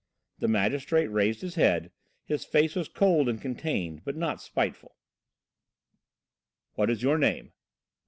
The magistrate raised his head; his face was cold and contained, but not spiteful. "What is your name?"